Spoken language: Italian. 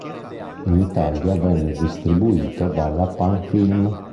In Italia venne distribuito dalla "Pan Film".